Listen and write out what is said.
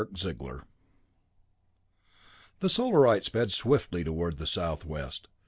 VIII The Solarite sped swiftly toward the southwest.